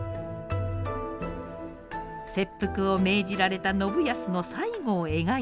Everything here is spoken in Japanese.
切腹を命じられた信康の最期を描いたドラマです。